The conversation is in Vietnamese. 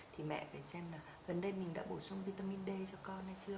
thì mẹ phải xem là gần đây mình đã bổ sung vitamin d cho con hay chưa